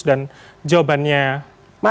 dan jawabannya tidak